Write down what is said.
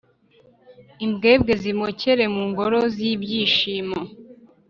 imbwebwe zimokere mu ngoro z’ibyishimo.